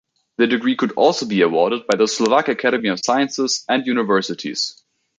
The degree could also be awarded by the Slovak Academy of Sciences and universities.